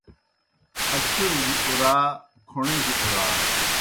اڇِھیؤجیْ اُرا، کھوْݨِجیْ اُرا